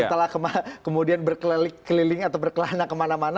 setelah kemudian berkeliling atau berkelana kemana mana